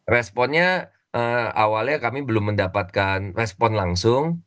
responnya awalnya kami belum mendapatkan respon langsung